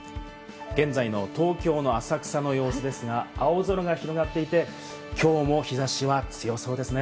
現在の東京の浅草の様子ですが、青空が広がっていて、きょうも日差しは強そうですね。